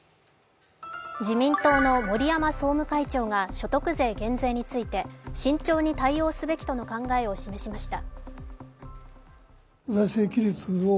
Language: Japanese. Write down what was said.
自民党の森山総務会長が所得税減税について慎重に対応すべきとの考えを示しました。